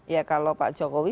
ya kalau pak jokowi